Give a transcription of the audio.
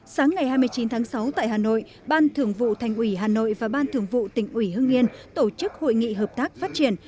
sáng ngày hai mươi chín tháng sáu tại hà nội ban thưởng vụ thành ủy hà nội và ban thường vụ tỉnh ủy hương yên tổ chức hội nghị hợp tác phát triển